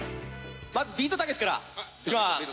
まずビートたけしからいきます。